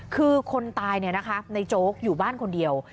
คือคนตายในโจ๊กอยู่บ้านคนเดียว